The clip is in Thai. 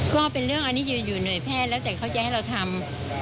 ก็เป็นเรื่องอันนี้ยืนอยู่หน่วยแพทย์แล้วแต่เขาจะให้เราทำ